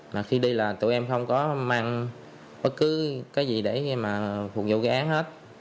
mà khi đi là tụi em không có mang bất cứ cái gì để mà phục vụ gái hết